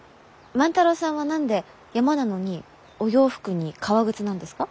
万太郎さんは何で山なのにお洋服に革靴なんですか？